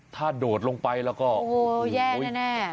ถ้าโดดลงไปแล้วก็โอ้แย่แน่